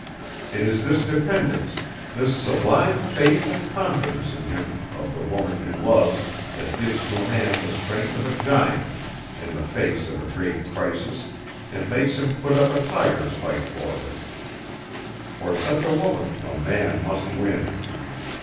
It is this dependence, this sublime faith and confidence in him of the woman he loves that gives to a man the strength of a giant in the face of a great crisis and makes him put up a tiger's fight for her. For such a woman a man must win.